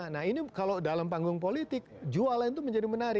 nah ini kalau dalam panggung politik jualan itu menjadi menarik